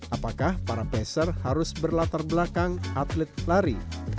apakah para peser harus berlatar belakang atlet lari